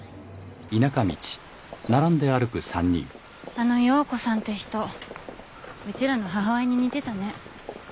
あの陽子さんって人うちらの母親に似てたね。